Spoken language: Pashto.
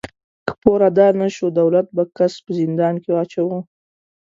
که پور ادا نهشو، دولت به کس په زندان کې اچاوه.